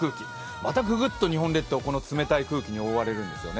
またぐぐっと日本列島、冷たい空気に覆われるんですよね。